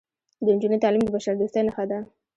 د نجونو تعلیم د بشردوستۍ نښه ده.